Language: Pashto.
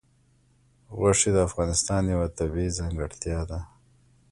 غوښې د افغانستان یوه طبیعي ځانګړتیا ده.